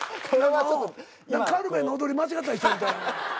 カルメンの踊り間違った人みたい。